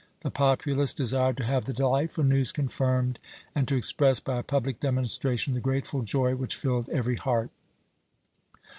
The populace desired to have the delightful news confirmed, and to express, by a public demonstration, the grateful joy which filled every heart.